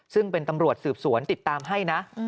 ซึ่งเป็นตำรวจสืบสวนติดตามให้นะ